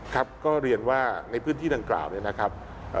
ครับก็เรียนว่าในพื้นที่ดังกล่าวเนี่ยนะครับ